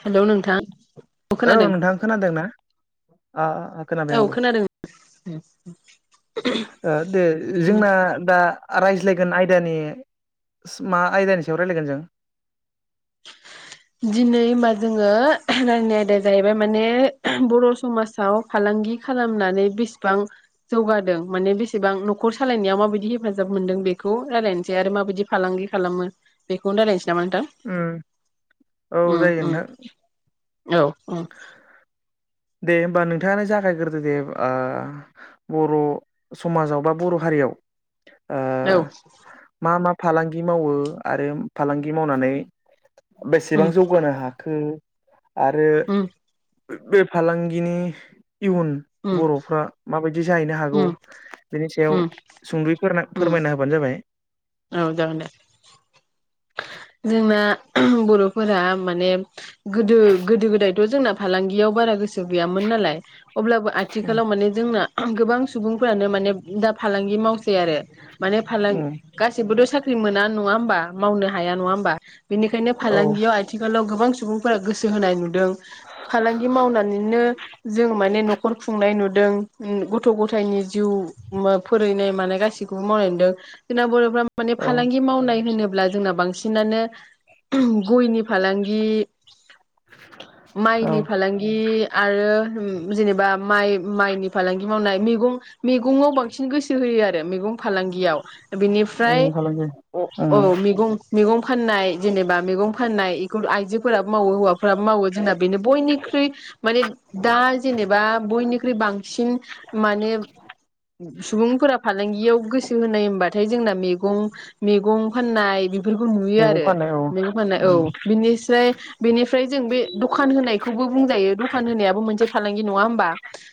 Hello नोंथां अ खोनादों। आ आ आ खोनाबाय औ आंबो खोनादों ओ दे जोंना दा रायज्लायगोन आयदानि मा आयदानि सायाव रायज्लायगोन जों? दिनै होनबा जोङो [unintelligible] रायलायनाय आयदाया जाहैबाय माने [unintelligible] बर' समाजाव फालांगि खालामनानै बेसेबां जौगादों माने बेसेबां न'खर सालायनायाव माबायदि हेफाजाब मोनदों बेखौ रायजलायनोसै आरो माबायदि फालांगि खालामो बेखौनो रायलायनोस नामा नोंथां? उम औ उम जायो उम नोंथां। औ ओ। दे होमबा नोंथाङानो जागायग्रोदो दे आ बर' समाजाव बा बर' हारियाव ओ औ। मा मा फालांगि मावो आरो फालांगि मावनानै बेसेबां जौगानो हाखो? आरो उम [unintelligible] फालांगिनि इयुन उम उम बर'फ्रा माबायद दि जाहैनो हागौ उम बिनि सायाव उम सुंद'यै फोर फोरनो उम फोरमायना होबानो जाबाय। औ जागोन दे। जोंना [unintelligible] बर'फोरा माने गोदो गोदो गोदायथ' जोंना फालांगियाव बारा गोसो गैयामोन नालाय। अब्लाबो आथिखालाव माने जोंना [unintelligible] गोबां सुबुंफोरानो माने दा फालांगि मावसै आरो। माने फालांग उम गासिबोथ' साख फि मोना नङा होमबा? मावनो हाया नङा होमबा? बेनिखायनो औ फालांगियाव आथिखालाव गोबां सुबुं फ्रा गोसो होनाय नुदों फालांगि मावनानैनो जों माने न'खर खुंनाय नुदों गथ' गथायनि जिउ फोरायनाय मानाय गासिखौबो मावनाय मोनदों जोंना बर'फ्रा माने औ फालांगि मावनाय होनो ब्ला जोंना बांसिनानो गयनि फालांगि माइनि फालांगि आरो जेनेबा माइ माइनि फालांगि मावनाय मैगं मैगंआव बांसिन गोसो होयो आरो मैगं फालांगियाव बिनिफ्राय मैगं फालांगि अ ओं औ मेगं मैेगं फाननाय जेनेबा मेगं फाननाय एखौ आइजोफोराबो मावो हौवाफोराबो मावो जोंना बेनो बयनिख्रुइ माने दा जेनेबा बयनिख्रुइ बांसिन माने सुबुंफोरा फालांगियाव गोसो होनाय ओमबाथाय जोंना मेगं मेगं फाननाय बेफोरखौ नुयो मैगं आरो फाननाय औ मेगं फाननाय औ उम बेनिस्राय बेनिफ्राय जों बे दखान होनायखौबो बुंजायो दखान होनायाबो मोनसे फालांगि नङा होमबा?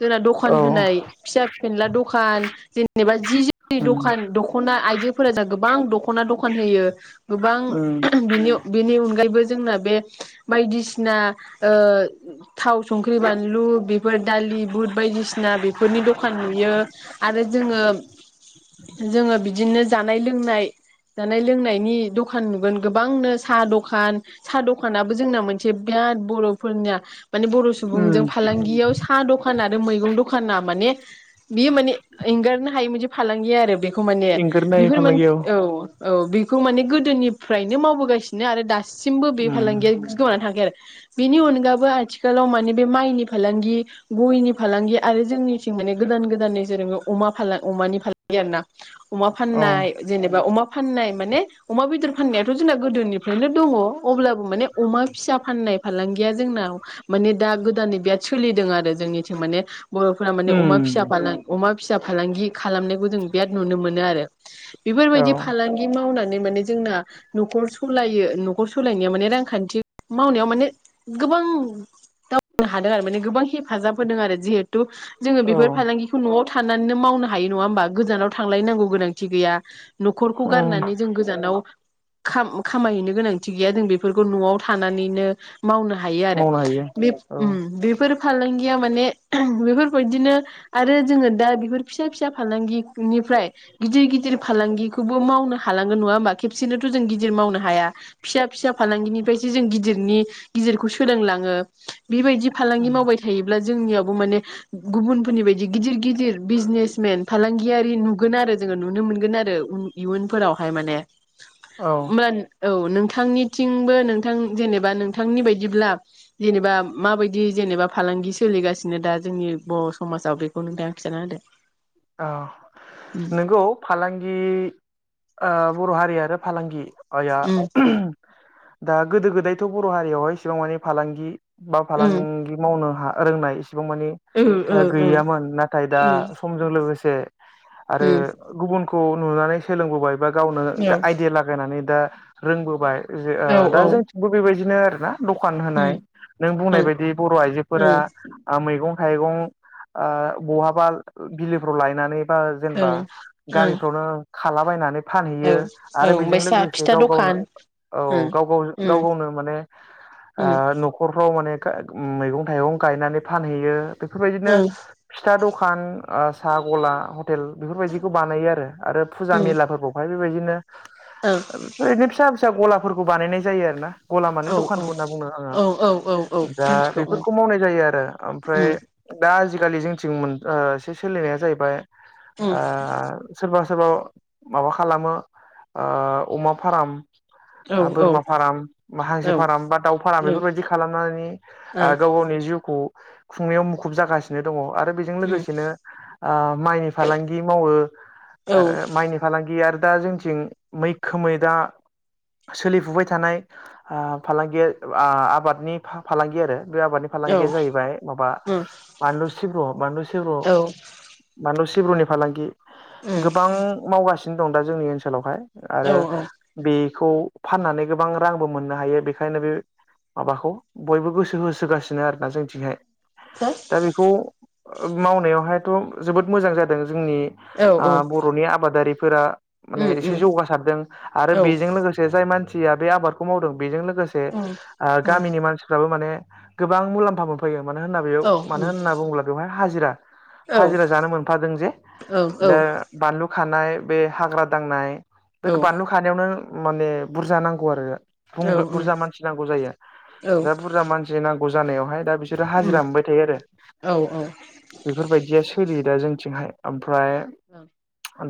जोंना औ दखान होनाय फिसा फेनला दखान जेनेबा जि जि नि उम दखान दखना आइजोफोरा जोंना गोबां दख्ना द दखान होयो गोबां उम बेनि बेनि अनगायैबो जोंना बे बायदिसिना ओ थाव संख्रि बानलु बेफोर दालि बुट बायदिसिना बेफोरनि दखान नुयो आरो जोङो-जोङो बिदिनो जानाय लोंनाय जानाय लोंनायनि दखान नुगोन गोबांनो साहा दखान साहा दखानाबो जोंना मोनसे बिराद बर' फोरनिया माने बर' सुबुंजों उम फालांगियाव सा दख खान आरो मैगं दखाना माने बेयो माने इंगार नो हायै मोनसे फालांगि आरो बे खौ माने एंगारनो हायै बेफोर माने फालांगि औ । औ, बेखौ माने गोदोनिफ्रायनो मावबोगासिनो आरो दा सिमबो बे उम फालांगिया गोमानानै थांआखै आरो। बेनि अनगाबो आथिखालाव माने बे माइनि फालांगि गयनि फालांगि आरो जोंनिथिं माने गोदान गोदाननि जेरै अमा फालां अमानि फालांगि आरो ना अमा औ फाननाय जेनेबा अमा फाननाय माने अमा बेदर फाननायाथ'जोंना गोदोनिफ्रायनो दङ अब्लाबो माने अमा फिसा फाननाय फालांगिया जोंनाव माने दा गोदानै बिराद सोलिदों आरो जोंनिथिं माने बर'फोरा माने अमा फिसा उम फालां अमा फिसा फालांगि खालामनायखौ जों बिराद नुनो मोनो आरो‌। औ बेफोरबायदि फालांगि मावनानै माने जोंना नखर सालायो नखर सालायनायाव माने रांखान्थि मावनायाव माने गोबां दावनो हादों आरो माने गोबां हेफाजाब होदों आरो जि जोङो औ बेफोर उम फालांगिखौ नआव थ-' थानानानैनानैनो मावनो हायो नङा होमबा गोजानाव थांलायनांगौ गोनांथि गैया। नखरखौ गारनानै जों गोजानाव खाम खामायहैनो गोनांथि गैया जों बेफोर न आव थानानै मावनो हायो आरो मावनो हायो बेफ औ ओम बेफोर फालांगि माने बेफोरबायदिनो आरो जोङो दा बेफोर फिसा फिसा फालांगिनिफ्राय गिदिर गिदिर फालांगि बेखौबो मावनो हाालांगोन नङा होमबा खेबसेनोथ जों गिदिर मावनो हाया। फिसा-फिसा फालांगिनिफ्रायसो जों गिदिरनि गिदिरखौ सोलोंलाङो‌। [inaudible] बेबायदि फालांगि उम मावबाय थायोब्ला जोंनियावबो माने गुबुनफोरनि बायदि गिदिर-गिदिर बिजनेसमेन फालांगियारि नुगोन आरो जोङो नुनो मोनगोन आरो। इयुनफोरावहाय माने। औ औ नोंथांनि थिंबो नोंथां जेनेबा नोंथांनि बायदिब्ला जेनेबा माबायदि जेनेबा फालांगि सोलिगासिनो दा जोंनि बर' समाजाव । बेखौ नोंथां आ खिथाना होदो। आ नोंगौ फालांगि गि ओ बर' हारि आरो फालांगि। आया उम [inaudible] दा गोदो गोदायथ' बर' हारियाआवहाय इसेबां मानि फालांगि। बा उम फालांगि मावनो हा रोंनाय बिसिबां मानि उम गैयामोन । नाथाय दा सम लोगोसे आरो गुबुन खौ नुनानै सोलोंबोबाय बा गावनो आइदिया लागायनानै दा रोंबोबाय। जे ओ आं दा ओ जोंथिबो बेबायदि बिदिनो आरो ना? दखान होनाय उम उम औ । नों उम बुंनाय बायदि बर' आइजोफोरा ओं आ मैगं थाइगं आ बहाबाल- बिलोफ्राव लायनानै बा जेनेबा ओं गामिफ्रावनो खालाबायनानै ओं औ फानहैयो आरो ओमफ्राय बेजों साहा लोगोसे फिथा गाव गावनो दखान औ ओं गाव गाव उम गाव गावनो माने ओ उम न'खरफ्राव माने मैगं थाइगं गायनानै फानहैयो । बेफोरबायदिनो ओं फिथा द खान आं साहा गला हटेल बेफोरबायदिखौ बानायो आरो आरो फुजा उम मेला फोरबौहाय बेबायदिनो ओं आमफाय आदि फिसा फिसा गलाफोरखौ बानायनाय जायो आरो ना । गलामानि औ दखानखौ होनना बुङो आङो औ औ औ औ । दा मिथिगौ उम बेफोरखौ मावनाय जायो आरो ओमफ्राय उम दा गालिया जोंथिं सोलिनाया जाहैबाय। उम आ सोरबा सोरबा माबा खालामो ओ अमा फाराम औ ओ बोरमा फाराम बा हांसो औ फाराम बा दाउ फाराम ओं बेफोरबायदि खालामनानै गाव गावनि जिउखौ खुंनायाव मुखुब जागासिनो दङ' आरो। बेजों उम लोगोसेनो ओ माइनि फालांगि मावो औ आरो माइनि फालांगि आरो! दा जोंथिं मैखोमै दा सोलिफुबाय थानाय ओ फालांगिया आबादनि फालांगि आरो। बे आबादनि औ फालांगिया जाहैबाय माबा उम बानलु सिब्र बानलु सिब्र औ बानलु सिब्रनि फालांगि उम गोबां मावगासि दं दा जोंनि ओनसोलावहाय औ आरो बि बेखौ फाननानै गोबां रांबो मोननो हायो बेखायनो बे माबाखौ बयबो गोसो होसोगासिनो आरोना जोंथिंहाय हो दा बेखौ। मावनायाव बेहायथ' जोबोद मोजां जादों। जोंनि औ ओ बर'नि आबादारि फोरा माने उम एसे उम जौगासारदों आरो औ बेजों लोगोसे जाय मानसि या बे आबादखौ मावदों बेजों लोगोसे उम ओ गामिनि मानसिफ्राबो माने गोबां मुलाम्फा मोनफायो मानो होनना बेयाव औ मानो उम औ होनना बुङोब्ला बेवहाय हाजिरा औ हाजिरा जानो मोनफादों जे औ उम दा बानलु होखानाय बे हाग्रा दांनाय बे औ बानलु खानायावनो माने बुरजा नांगौ आरो बुं उम औ उम औ उम औ उम बुरजा मानसि नांगौ जायो दा बुरजा मानसि नांग जानायावहाय दा बिसोरो हाजिरा मोनबाय थायो आरो बेफोरबायदिया सोलियो दा जोंथिंहाय ओमफ्राय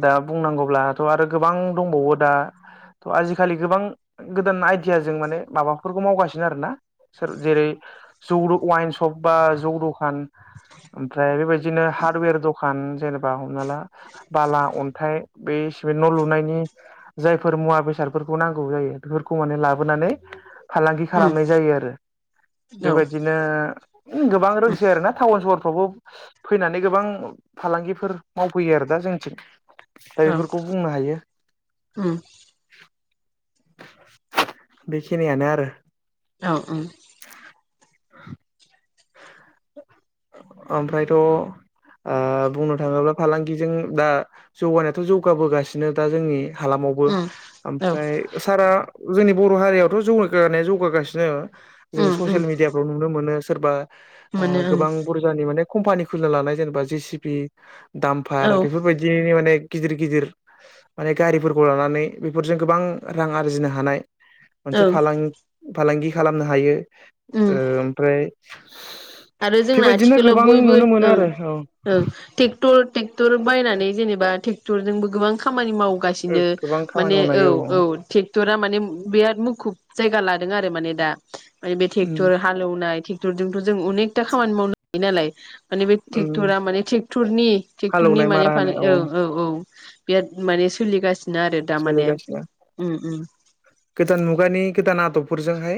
दा बुंनांगौब्लाथ' आरो गोबां दंबावो दा थ' आजिखालि गोबां गोदान आइदियाजों माने माबाफोरखौ मावगासिनो आरोना सोर जेरै जौद वाइन स सप बा जौ दखान ओमफ्राय बेबायदिनो हार्दवेर दखान एबा हमना ला बाला अन्थाइ बेसेबे सिमिद न' लुनायनि जायफोर मुवा बेसादफोरखौ नांगौ जायो बेफोरखौ माने लाबोनानै फालांगि खालामनाय जायो आरो बेबायदिनो गोबां रोंसै आरोना टाउन सहर बावबो फैनानै गोबां फालांगिफोर मावफैयो आरो दा जोंनिथिं दा बेफोरखौ बुंनो हायो बेखिनियानो आरो औ औ [unintelligible] ओमफ्रायथ' आ बुंनो थाङोब्ला फालांगिजों दा जौगानायाथ' जौगाबोगासिनो दा जोंनि हालामावबो उम औ ओमफ्राय सारआ जोंनि बर' हारियावथ' जौगगानाया जौगागासिनो जों उम उम ससियेल मिडियाफ्राव नुनो मोनो सोरबा मोनो गोबां बुरजानि माने कम्पानि खुलिनो लानाय जेनेबा जे सि बि दामफार ओं बेफोरबायदिनि माने गिदिर गिदिर माने गारिफोरखौ लानानै बेफोरजों गोबां रां आरजिनो हानाय औ मोनसे ओं फालां-फालांगि खालामनो हायो उम ओ ओमफ्राय [inaudible] आरो जोंना बेबायदिनो आथिखालाव गोबां बयबो नुनो मोनो ओं आरो औ ओं थिग टुरटिक टर बायनानै जेनेबा टेक टरजोंबो गोबां खामानि मावो ओ मावगासिनो गोबां खामानि माने मावनो औ हायो औ थेक तेकटरआ माने बिराद मुखुब जायगा लादों आरो माने दा माने बे उम थेकट'र हालौनाय थेक थेकट'र जों अनेक टा खामानि मावनो हायो नालाय। माने बे उम टेक्टरा माने टेक्टनि टेक्टरनि हालौनाय माने मारा होनाय औ औ औ। बिराद माने सोलिगास नोआरो दा माने सोलिगासिनो उम उम गोदान मुगानि गोदान आदबफोरजोंहाय।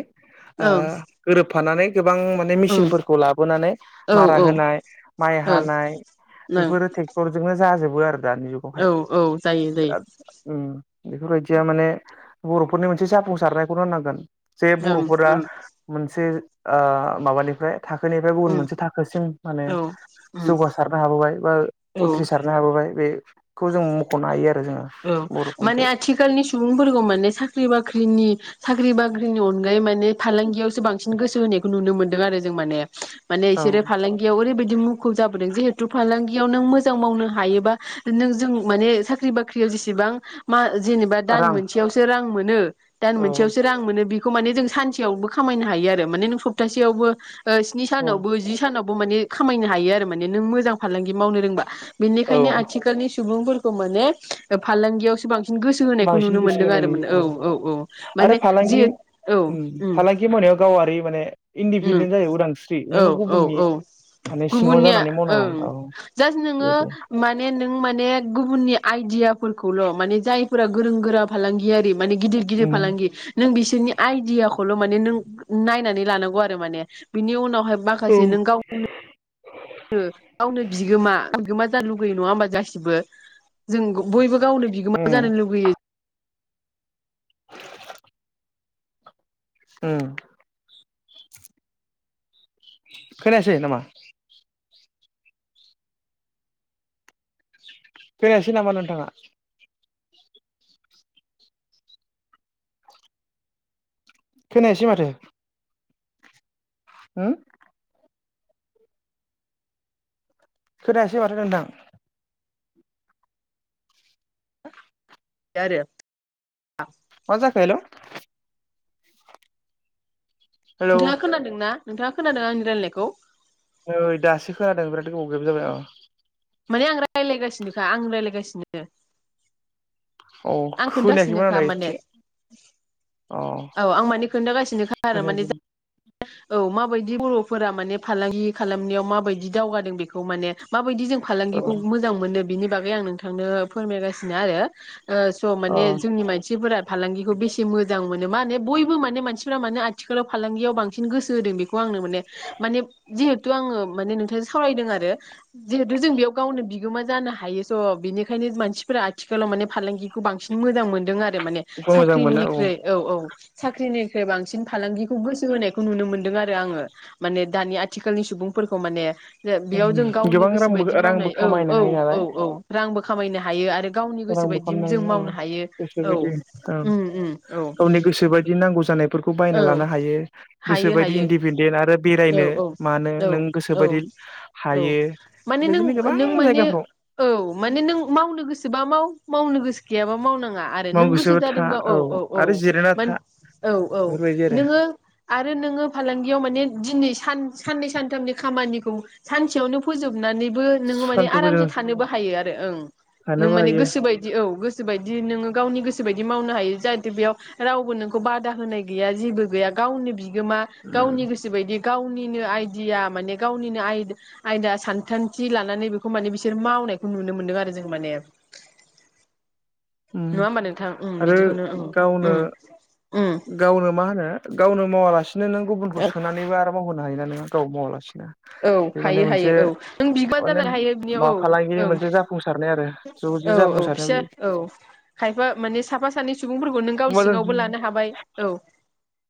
ओ ओं गोरोबफानानै। गोबां माने ओं मेसिनफोरखौ लाबोनानै औ मारा औ होनाय माइ ओं हानाय ओं बेफोरो ट्रेक्टर जोंनो जाजोब बोआर दानि जुगावहाय औ औ जायो जायो बेयाद ओम बेफोर बायदिया माने बरफ फोरनि मोनसे जाफुंसारनायखौनो होननांगोन। जे ओं बर'फोरा ओं मोनसे ओ माबानिफ्राय थाखोनिफ्राय गुबुन उम मोनसे थाखोसिम माने औ उम जौगासारनो हाबोबाय बा औ उथ्रिसारनो हाबोबाय बे खौ जों मख'नो हायो आरो। जोङो औ माने बर'फोरनिफ्राय आथिखालनि सुबुंफोरखौ माने साख साख्रि बाख्रिनि साख्रि बाख्रिनि अनगायै माने फालांगियावसो बांसिन गोसो होनाय नुनो मोनदों आरो जों माने माने इसोर औ फालांगियाव ओरै दि मुखुब जाबोदों जिहेतु फालांगियाव नों मोजां मावनो हायोबा नों जों माने साख्रि बाख्रि साख्रियाव जेसेबां जेनेबा दान रां मोनसेयावसो रां मोनो दान औ मोनसेयावसो रां मोनो बि खौ माने जों सानसेयावबो खामायनो हायो आरो माने नों सप्तासेयावबो स्नि औ सानावबो जि सानाव बो खामायनो हायो आरो माने नों मोजां फालांगि मावनो रोंबा औ बेनिखायनो आथिखालनि सुबुंफोरखौ माने बे फालांगियावसो बां बांसिन गोसो होनाय नुयो औ औ आरो माने जि फालांगि औ उम फालांगि मावनायाव गावारि माने उम इन्दिपेन्डेन्ट जायो उदांस्रि औ नोङो औ गुबुननि औ माने सिङाव गुबुननि जानानै मावनाङा औ जास्ट दे नोङो दे माने नों माने गुबुननि आइ यादियाफोरखौल' माने जायफोरा गोरों गोरा फालांगियारि माने गिदिर गिदिर उम फालांगि नों बिसोरनि आइदिया खौल' माने नों नायनानै लानांगौ आ‌ माने बिनि उनाव औ माखासे नों गावनो गावनो बिगोमा लुगैयो नङा होनबा गासिबो जों बयबो गावनो बिगोमा उम जानो लुगैयो उम खोनायासै ना मा? खोनायासै नामा नोंथाङा खोनायासै माथो हो खोनायासै माथो नोंथां हो आरो आ मा जाखो हेलौ हेलौ नोंथाङा खोनादों ना? नोंथाङा खोनादों आंनि रायलानायखौ नै दासो खोनादों बिराद गोबाव गेब जाबाय अ माने आं रायलायगासिनोखा आं रायलायगासिनो औ आं खोनायाखिमोन आं खोन्थागासिनोखा दायो माने एसे औ आं मानि खोन्थागासिनोखा आरो माने खोनायाखैमोन औ माबायदि बर'फोरा माने फालांगि खालामनायाव माबायदि दावगादों बेखौ माने माबायदि जों औ फालांगिखौ मोजां मोनो बिनि बागै आं नोंथांनो फोरमायगासिनो आरो। ओ स' अ माने जोंनि मानसिफोरा फालांगिखौ बेसे मोजां मोनो माने बयबो माने मानसिफ्रा मानोे आथिखालाव फालांगियाव बां सिन गोसो होदों बे आंनो माने माने जि हेतु आङो माने नोंथांजों सावरायदों आरो जिहेतु जों बेयाव गावनो बिगोमा जानो हायो स' बिनिखायनो मानसिफोरा आथिखालाव माने फालांगिखौ बांसिन मोजां मोनदों आर रो माने मोजां मोनो साख्रिनिख्रुइ औ औ साख्रिनिख्रुइ बांसिन फालांगिखौ गोसो होनायख नुनो मोन्दों आरो आङो माने दानि आथिखालनि सुबुंफोरखौ माने जे बेयाव जों गावनि गोबां गोसो रांबो बायदि रांबो मावनाय औ खामायनो औ हायो औ औ रांबो खामायनो हायो आरो गावनि रां गोसो बो बायदि खामनो जों हायो औ मावनो गोसो बायदि औ उम उम औ गावनि गोसो बायदि नांगौ जानाय फोरखौ बायना औ लानो हायो। हायो गोसोबायदि हायो इन्दिपेडेन्ट आरो बेरायनो औ औ मानो औ नों औ गोसोबायदि औ हायो। माने बेबायदिनो नों गोबां नों माने जायगाफ्राव औ माने नों मावनो गोसोबा माव मावनो गोसो गैयाबा मावनां आरो मावनो नों गोसो गोसोबा था जादोंबा औ औ औ आरो जिरायना मोन था औ औ। बेफोरबायदि आरो नोङो आरो नोङो फालांगियाव माने दिनै सान साननै सानथामनि खामानिखौ सानसेयावनो फोजोब नानैबो नों सानसेखौ जों आरामसे थानोबो हायो आरो ओं नों थानोबो मानि हायो गोसो बायदि औ गोसो बायदिनों गावनि गोसो बायदि मावनो हायो जाहाथे बेयाव रावबो नोंखौ बादा होनाय गैया जेबो गैया गावनि बि बि-गोमा गावनि उम गोसो बायदि गावनिनो आइदिया माने गावनिनो आयदा सानथान्थि लानानै बेखौ माने बिसोर मावनायखौ नुनो मोनदों आरो जों माने। उम नङा होमबा नोंथां उम आरो बिदिखौनो उम गावनो उम उम गावनो मा होनो गावनो मावालासे नो नों गुबुनखौ सोनानैबो मावहो सोनो हायोना नों गाव मावालासे औ हायो हायो औ नों बिबार माने जानानै हायो बिनियाव मा फालांगिनि औ मोनसे जाफुंसारनाय आरो ज' औ औ औ जाफुंसारनाय फिसा बेयो औ खायफा मान साफा सानै सुबुंफोरखौ नों गाव होमबा सिङावबो दोनसै लानो हाबाय औ